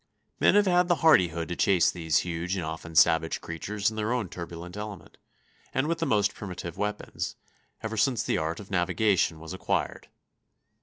Men have had the hardihood to chase these huge and often savage creatures in their own turbulent element, and with the most primitive weapons, ever since the art of navigation was acquired.